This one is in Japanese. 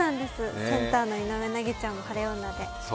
センターの井上和ちゃんも晴れ女で。